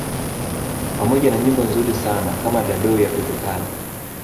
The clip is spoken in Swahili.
Pamoja na nyimbo nzuri sana kama Dadou ya Pepe Kalle